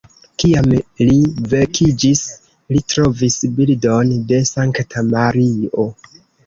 Kiam li vekiĝis, li trovis bildon de Sankta Mario.